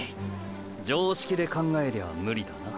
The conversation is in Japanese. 常識で考えりゃあムリだな。